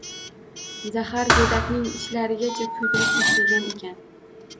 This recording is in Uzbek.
Zahar go`dakning ichaklarigacha kuydirib tashlagan ekan